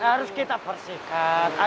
harus kita bersihkan